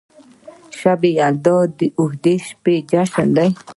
شب یلدا د اوږدې شپې جشن دی.